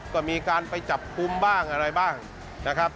ก็มีการไปจับคุมบ้างอะไรบ้างนะครับ